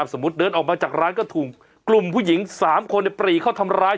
สมมุติเดินออกมาจากร้านก็ถูกกลุ่มผู้หญิง๓คนปรีเข้าทำร้าย